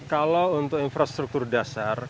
kalau untuk infrastruktur dasar